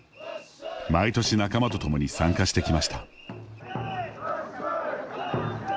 毎年仲間と共に参加してきました。